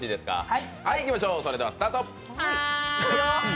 それではスタート！